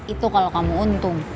itu kalau kamu untung